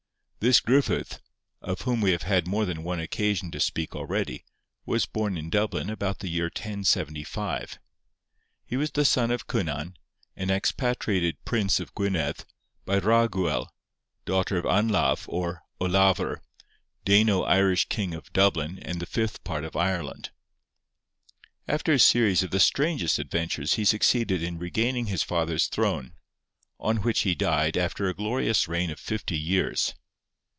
This Gruffydd, of whom we have had more than once occasion to speak already, was born in Dublin about the year 1075. He was the son of Cynan, an expatriated prince of Gwynedd, by Raguel, daughter of Anlaf or Olafr, Dano Irish king of Dublin and the fifth part of Ireland. After a series of the strangest adventures he succeeded in regaining his father's throne, on which he died after a glorious reign of fifty years.